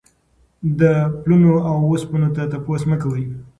د پلونو د اوسپنو تپوس مه کوئ.